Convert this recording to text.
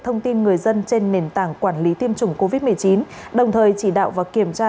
thông tin người dân trên nền tảng quản lý tiêm chủng covid một mươi chín đồng thời chỉ đạo và kiểm tra